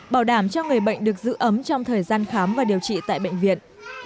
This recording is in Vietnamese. bảo đảm cho người bệnh được giữ ấm trong thời gian khám và điều trị tại bệnh viện